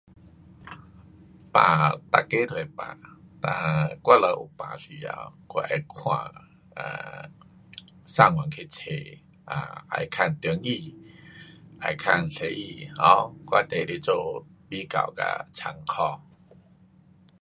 病，每个都会病，哒我若有病我会时头，我会看，啊，上网去察，啊，也会问中医，也会问西医，um 我提来做比较跟参考。